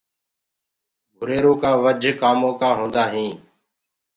گُريرو ڪآ وجھ ڪآمو هوندآ هينٚ۔